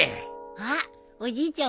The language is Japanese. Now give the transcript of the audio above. あっおじいちゃん